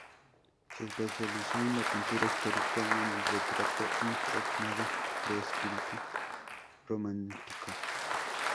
Se especializó en la pintura histórica y en el retrato impregnado de espíritu romántico.